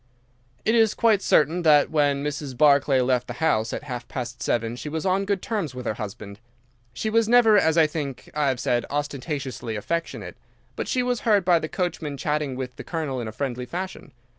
"It is quite certain that when Mrs. Barclay left the house at half past seven she was on good terms with her husband. She was never, as I think I have said, ostentatiously affectionate, but she was heard by the coachman chatting with the Colonel in a friendly fashion.